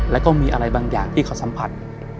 แล้วก็มีอะไรบางอย่างที่เขาสัมผัส